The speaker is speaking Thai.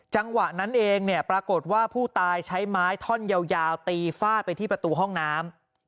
จังหวะนั้นเองเนี่ยปรากฏว่าผู้ตายใช้ไม้ท่อนยาวตีฟาดไปที่ประตูห้องน้ำ